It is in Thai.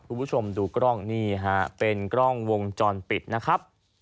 คุณผู้ชมดูกล้องนี่ฮะเป็นกล้องวงจรปิดนะครับ